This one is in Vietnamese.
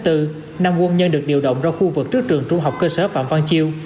năm quân nhân được điều động ra khu vực trước trường trung học cơ sở phạm văn chiêu